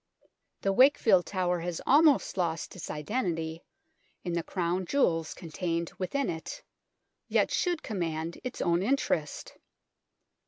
The Wakefield Tower has almost lost its identity in the Crown Jewels contained within it, yet should command its own interest.